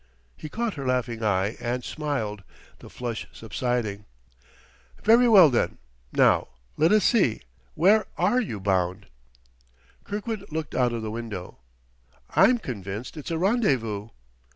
He caught her laughing eye, and smiled, the flush subsiding. "Very well, then! Now let us see: Where are you bound?" Kirkwood looked out of the window. "I'm convinced it's a rendezvous...?"